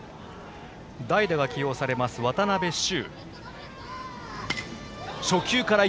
代打が起用されます渡邊修。